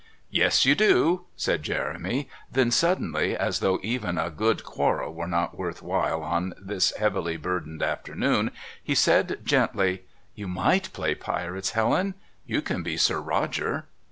"Yes, you do," said Jeremy, then suddenly, as though even a good quarrel were not worth while on this heavily burdened afternoon, he said gently: "You might play Pirates, Helen. You can be Sir Roger."